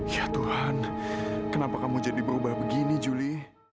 ya tuhan kenapa kamu jadi berubah begini juli